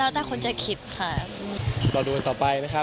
แล้วแต่คนจะคิดค่ะ